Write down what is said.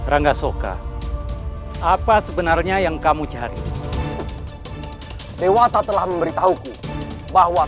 rangga soka apa sebenarnya yang kamu cari dewata telah memberitahuku bahwa